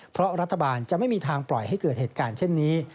เพราะรัฐบาลจะไม่มีทางปล่อยให้เกิดเหตุการณ์เช่นนี้